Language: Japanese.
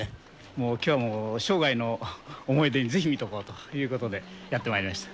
もうきょうも、生涯の思い出にぜひ見ておこうということでやってまいりました。